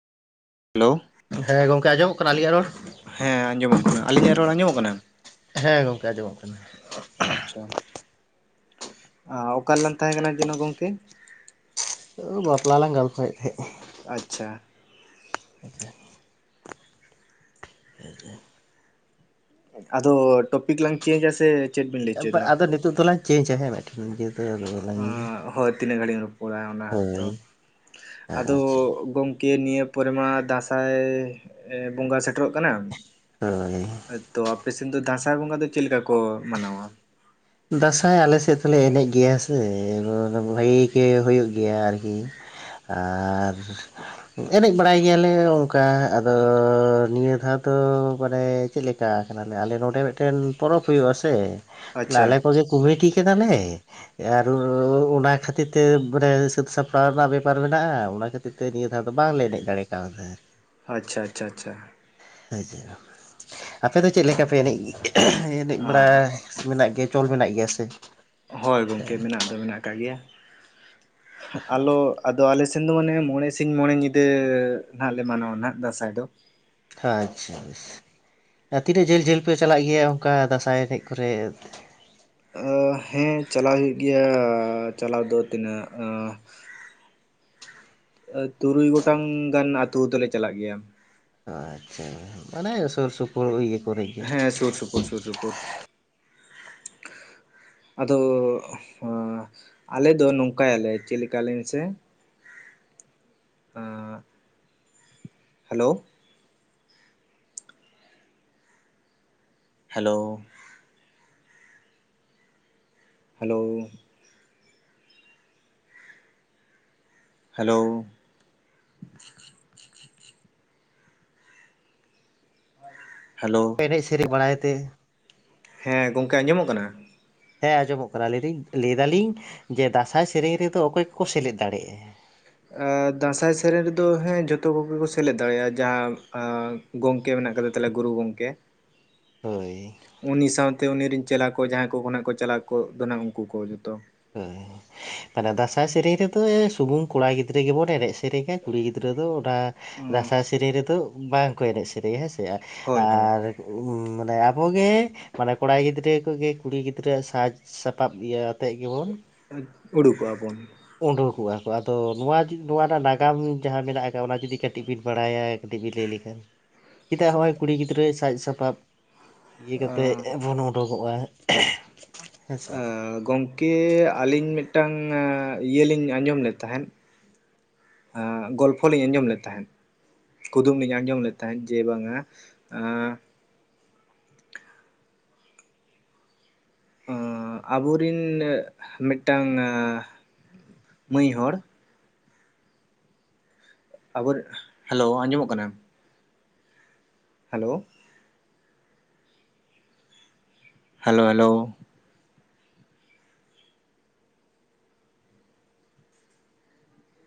Hello ᱦᱮᱸ ᱜᱚᱝᱠᱮ ᱟᱸᱡᱚᱢᱚᱜ ᱠᱟᱱᱟ ᱟᱹᱞᱤᱧᱟᱜ ᱨᱚᱲ? ᱦᱮᱸ ᱟᱸᱡᱚᱢᱚᱜ ᱠᱟᱱᱟ ᱟᱹᱞᱤᱧᱟᱜ ᱨᱚᱲ ᱟᱸᱡᱚᱢᱚᱜ ᱠᱟᱱᱟ? ᱦᱮᱸ ᱜᱚᱝᱠᱮ ᱟᱸᱡᱚᱢᱚᱜ ᱠᱟᱱᱟ ᱦᱮᱸ ᱟᱪᱪᱷᱟ ᱚᱠᱟᱨᱮᱞᱟᱝ ᱛᱟᱦᱮᱸ ᱠᱟᱱᱟ ᱡᱮᱱᱚ ᱜᱚᱝᱠᱮ? ᱳ ᱵᱟᱯᱞᱟ ᱞᱟᱝ ᱜᱚᱞᱯᱚᱭᱮᱜ ᱛᱮᱦᱮᱸᱜ ᱟᱪᱪᱷᱟ ᱟᱪᱪᱷᱟ ᱦᱥ ᱟᱫᱚ ᱴᱚᱯᱤᱠ ᱞᱟᱝ ᱪᱮᱧᱡᱟ ᱥᱮ ᱪᱮᱫ ᱵᱤᱱ ᱞᱟᱹᱭ ᱵᱟ ᱦᱚᱪᱚᱭᱮᱫᱟ? ᱟᱫᱚ ᱱᱤᱛᱚᱜ ᱫᱚᱞᱟᱝ ᱪᱮᱧᱡᱟ ᱦᱮᱸ ᱢᱮᱫᱴᱮᱱ ᱤᱭᱟᱹ ᱫᱚ ᱟᱫᱚ ᱵᱟᱞᱟᱝ ᱤᱭᱟᱹ ᱦᱳᱭ ᱛᱤᱱᱟᱹᱜ ᱜᱷᱟᱹᱲᱤᱡ ᱮᱢ ᱨᱚᱯᱚᱲᱟ ᱚᱱᱟ ᱦᱚᱭᱛᱚ ᱦᱳᱭ ᱟᱫᱚ ᱟᱪᱪᱷᱟ ᱜᱚᱝ ᱠᱮ ᱱᱤᱭᱟᱹ ᱯᱚᱨᱮ ᱢᱟ ᱫᱟᱸᱥᱟᱭ ᱵᱚᱸᱜᱟ ᱥᱮᱴᱮᱨᱚᱜ ᱠᱟᱱᱟ ᱦᱳᱭ ᱦᱳᱭᱛᱚ ᱟᱯᱮᱥᱮᱱ ᱫᱚ ᱫᱟᱸᱥᱟᱭ ᱵᱚᱸᱜᱟ ᱫᱚ ᱪᱮᱫ ᱞᱮᱠᱟ ᱠᱚ ᱢᱟᱱᱟᱣᱟ ᱫᱟᱸᱥᱟᱭ ᱟᱞᱮ ᱥᱮᱫ ᱫᱚᱞᱮ ᱮᱱᱮᱡ ᱜᱮᱭᱟ ᱥᱮ ᱱᱚᱣᱟ ᱫᱚ ᱵᱷᱟᱹᱜᱤ ᱜᱮ ᱦᱩᱭᱩᱜ ᱜᱮᱭᱟ ᱟᱨ ᱠᱤ ᱟᱨ ᱮᱱᱮᱡ ᱵᱟᱲᱟᱭ ᱜᱮᱭᱟᱞᱮ ᱚᱝᱠᱟ ᱟᱫᱚ ᱱᱤᱭᱟᱹ ᱫᱷᱟᱣ ᱫᱚ ᱢᱟᱱᱮ ᱪᱮᱫ ᱞᱮᱠᱟ ᱟᱠᱟᱱᱟᱞᱮ ᱟᱞᱮ ᱱᱚᱰᱮ ᱢᱤᱫᱴᱮᱱ ᱯᱚᱨᱚᱵᱽ ᱦᱩᱭᱩᱜᱼᱟ ᱥᱮ ᱛᱟᱞᱦᱮ ᱟᱪᱪᱷᱟ ᱟᱞᱮ ᱠᱚᱜᱮ ᱠᱩᱢᱤᱴᱤ ᱠᱟᱱᱟᱞᱮ ᱮ ᱟᱨᱚᱻ ᱚᱱᱟ ᱠᱷᱟᱹᱛᱤᱨ ᱛᱮ ᱢᱟᱱᱮ ᱥᱟᱹᱛ ᱥᱟᱯᱲᱟᱣ ᱨᱮᱱᱟᱜ ᱵᱮᱯᱟᱨ ᱢᱮᱱᱟᱜᱼᱟ ᱚᱱᱟ ᱠᱷᱟᱹᱛᱤᱨ ᱛᱮ ᱱᱤᱭᱟᱹ ᱫᱷᱟᱣ ᱫᱚ ᱵᱟᱝᱞᱮ ᱮᱱᱮᱡ ᱫᱟᱲᱮ ᱠᱟᱣᱫᱟ ᱟᱪᱪᱷᱟ ᱟᱪᱪᱷᱟ ᱟᱪᱪᱷᱟ ᱟᱪᱷᱟ ᱟᱯᱮ ᱫᱚ ᱪᱮᱫ ᱞᱮᱠᱟ ᱯᱮ ᱮᱱᱮᱡ ᱮᱱᱮᱡ ᱵᱟᱲᱟ ᱢᱮᱱᱟᱜ ᱜᱮᱭᱟ ᱪᱚᱞ ᱢᱮᱱᱟᱜ ᱜᱮᱭᱟ ᱥᱮ ᱦᱳᱭ ᱜᱚᱝᱠᱮ ᱢᱮᱱᱟᱜ ᱫᱚ ᱢᱮᱱᱟᱜ ᱠᱟᱜ ᱜᱮᱭᱟ ᱟᱞᱚ ᱟᱫᱚ ᱟᱞᱮ ᱥᱮ ᱛᱮᱱ ᱫᱚ ᱢᱟᱱᱮ ᱢᱚᱬᱮ ᱥᱤᱧ ᱢᱚᱬᱮ ᱧᱤᱫᱟᱹ ᱱᱟᱜ ᱞᱮ ᱢᱟᱱᱟᱣᱟ ᱱᱟᱜ ᱫᱟᱸᱥᱟᱭ ᱫᱚ ᱟᱪᱷᱟ ᱵᱮᱥ, ᱟᱨ ᱛᱤᱱᱟᱹᱜ ᱡᱷᱟᱹᱞ ᱡᱷᱟᱹᱞ ᱯᱮ ᱪᱟᱞᱟᱜ ᱜᱮᱭᱟ ᱚᱱᱠᱟ ᱫᱟᱸᱥᱟᱭ ᱮᱱᱮᱡ ᱠᱚᱨᱮ ᱚ, ᱦᱮᱸ ᱪᱟᱞᱟᱣ ᱦᱩᱭᱩᱜ ᱜᱮᱭᱟ ᱪᱟᱞᱟᱣ ᱫᱚ ᱛᱤᱱᱟᱹᱜ ᱛᱩᱨᱩᱭ ᱜᱚᱴᱟᱝ ᱜᱟᱱ ᱟᱛᱩ ᱫᱚᱞᱮ ᱪᱟᱞᱟᱜ ᱜᱮᱭᱟ ᱟᱪᱷᱟ, ᱢᱟᱱᱮ ᱥᱩᱨ ᱥᱩᱯᱩᱨ ᱯᱳᱨ ᱤᱭᱟᱹ ᱠᱚᱨᱮ ᱜᱮ ᱦᱮᱸ ᱥᱩᱨ ᱥᱩᱯᱩᱨ ᱥᱩᱨ ᱥᱩᱯᱩᱨ ᱟᱫᱚ ᱦᱚᱸ ᱟᱞᱮ ᱫᱚ ᱱᱚᱝᱠᱟᱭᱟᱞᱮ ᱪᱮᱫ ᱞᱮᱠᱟ ᱞᱟᱹᱭ ᱢᱮᱥᱮ ᱟ hello hello hello hello hello ᱮᱱᱮᱡ ᱥᱮᱨᱮᱧ ᱵᱟᱲᱟᱭ ᱛᱮ ᱦᱮᱸ ᱜᱚᱝᱠᱮ ᱟᱸᱡᱚᱢᱚᱜ ᱠᱟᱱᱟ ᱦᱮᱸ ᱟᱸᱡᱚᱢᱚᱜ ᱠᱟᱱᱟ ᱞᱟᱭ ᱫᱤᱧ, ᱞᱟᱹᱭ ᱫᱟᱞᱤᱧ ᱡᱮ ᱫᱟᱸᱥᱟᱭ ᱥᱮᱨᱮᱧ ᱨᱮᱫᱚ ᱚᱠᱚᱭ ᱠᱚᱠᱚ ᱥᱮᱞᱮᱫ ᱫᱟᱲᱮᱭᱟᱜᱼᱟ ᱟᱸᱻ ᱫᱟᱸᱥᱟᱭ ᱥᱮᱨᱮᱧ ᱨᱮᱫᱚ ᱦᱮᱸ ᱡᱚᱛᱚ ᱠᱚᱜᱮ ᱠᱚ ᱥᱮᱞᱮᱫ ᱫᱟᱲᱮᱭᱟᱜᱼᱟ ᱡᱟᱦᱟᱸᱭ ᱟᱸᱻ ᱜᱚᱝᱠᱮ ᱢᱮᱱᱟᱜ ᱠᱟᱫᱮ ᱛᱟᱞᱮᱭᱟ ᱜᱩᱨᱩ ᱜᱚᱝᱠᱮ ᱦᱳᱭ ᱩᱱᱤ ᱥᱟᱶᱛᱮ ᱩᱱᱤ ᱨᱤᱱ ᱪᱮᱞᱟ ᱠᱚ ᱡᱟᱦᱟᱸᱭ ᱠᱚ ᱠᱟᱱᱟ ᱠᱚ ᱪᱮᱞᱟ ᱠᱚ ᱫᱚ ᱱᱟᱦᱟᱜ ᱩᱝᱠᱩ ᱠᱚ ᱡᱷᱚᱛᱚ ᱦᱮᱸ, ᱛᱟᱦᱞᱮ ᱫᱟᱸᱥᱟᱭ ᱥᱮᱨᱮᱧ ᱨᱮᱫᱚ ᱥᱩᱢᱩᱝ ᱠᱚᱲᱟ ᱜᱤᱫᱽᱨᱟᱹ ᱜᱮᱵᱚᱱ ᱮᱱᱮᱡ ᱥᱮᱨᱮᱧᱟ ᱠᱩᱲᱤ ᱜᱤᱫᱽᱨᱟᱹ ᱫᱚ ᱚᱱᱟ ᱫᱟᱸᱥᱟᱭ ᱥᱮᱨᱮᱧ ᱨᱮᱫᱚ ᱵᱟᱝᱠᱚ ᱮᱱᱮᱡ ᱥᱮᱨᱮᱧᱟ ᱦᱮᱸᱥᱮ ᱦᱳᱭ ᱦᱳᱭ ᱟᱨ ᱢᱟᱱᱮ ᱟᱵᱚᱜᱮ ᱢᱟᱱᱮ ᱠᱚᱲᱟ ᱜᱤᱫᱽᱨᱟᱹ ᱠᱚᱜᱮ ᱠᱩᱲᱤ ᱜᱤᱫᱽᱨᱟᱹᱣᱟᱜ ᱥᱟᱡᱽ ᱥᱟᱯᱟᱵ ᱤᱭᱟᱹ ᱟᱛᱮᱫ ᱜᱮᱵᱚᱱ ᱩᱰᱩᱠᱚᱜᱼᱟ ᱵᱚᱱ᱾ ᱩᱰᱩᱠᱚᱜᱼᱟ ᱠᱚ ᱟᱫᱚ ᱱᱚᱣᱟ ᱱᱚᱣᱟ ᱨᱮᱱᱟᱜ ᱱᱟᱜᱟᱢ ᱡᱟᱦᱟᱸ ᱢᱮᱱᱟᱜ ᱟᱠᱟᱫᱼᱟ ᱚᱱᱟ ᱡᱩᱫᱤ ᱠᱟᱹᱴᱤᱡ ᱵᱤᱱ ᱵᱟᱲᱟᱭᱟ ᱠᱟᱹᱴᱤᱡ [unintelligible] ᱞᱟᱹᱭ ᱞᱮᱠᱷᱟᱱ᱾ ᱪᱮᱫᱟᱜ ᱦᱚᱸᱜᱼᱚᱭ ᱠᱩᱲᱤ ᱜᱤᱫᱽᱨᱟᱹ ᱥᱟᱡᱽ ᱥᱟᱯᱟᱵ ᱤᱭᱟᱹ ᱠᱟᱛᱮ ᱵᱚᱱ ᱩᱰᱳᱠᱚᱜᱼᱟ? ᱜᱚᱢᱠᱮ ᱟᱹᱞᱤᱧ ᱢᱤᱫᱴᱟᱱ ᱤᱭᱟᱹᱞᱤᱧ ᱟᱸᱡᱚᱢ ᱞᱮᱫ ᱛᱟᱦᱮᱸᱫ ᱜᱚᱞᱯᱷᱚ ᱞᱤᱧ ᱟᱸᱡᱚᱢ ᱞᱮᱫ ᱛᱟᱦᱮᱸᱫ ᱾ ᱠᱩᱫᱩᱢ ᱞᱤᱧ ᱟᱸᱡᱚᱢ ᱞᱮᱫ ᱛᱟᱦᱮᱸᱫ ᱡᱮ ᱵᱟᱝᱟ ᱟᱵᱚᱨᱤᱱ ᱢᱤᱫᱴᱟᱝ ᱢᱟᱹᱭ ᱦᱚᱲ ᱟᱵᱚᱨ ᱦᱮᱞᱳ ᱟᱸᱡᱚᱢᱚᱜ ᱠᱟᱱᱟ? Hello hello hello